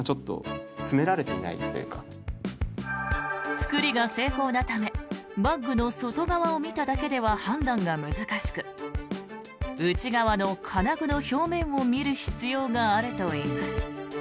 作りが精巧なためバッグの外側を見ただけでは判断が難しく内側の金具の表面を見る必要があるといいます。